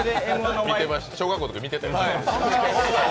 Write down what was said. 小学校のとき見てたよね。